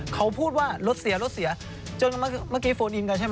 เขาพูดว่ารถเสียรถเสียจนเมื่อกี้โฟนอินกันใช่ไหม